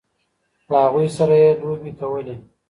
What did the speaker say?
له هغوی سره یې لوبې کولې.